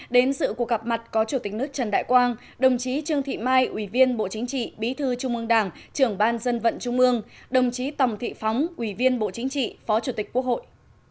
đến sự cuộc gặp mặt có chủ tịch nước trần đại quang đồng chí trương thị mai ủy viên bộ chính trị bí thư trung ương đảng trưởng ban dân vận trung ương đồng chí tòng thị phóng ủy viên bộ chính trị phó chủ tịch quốc hội